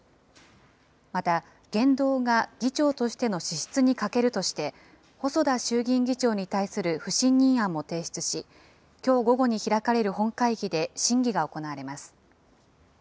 また、言動が議長としての資質に欠けるとして、細田衆議院議長に対する不信任案も提出し、きょう午後に開かれる本会議で審議が行われます。